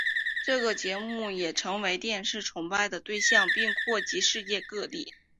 这个节目也成为电视崇拜的对象并扩及世界各地。